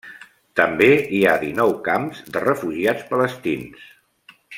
També hi ha dinou camps de refugiats palestins.